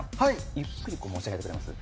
ゆっくり持ち上げてくれます？